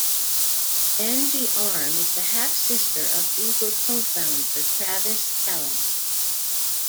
Anji Arm is the half-sister of Uber co-founder Travis Kalanick.